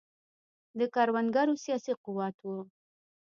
د کروندګرو سیاسي قوت و.